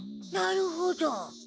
なるほど。